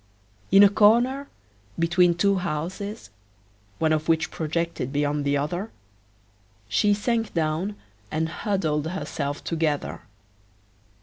In a corner, between two houses, one of which projected beyond the other, she sank down and huddled herself together.